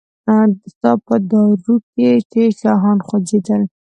ستا په دارو کې چې شاهان خوځیدل